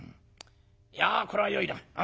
いやこれはよいな。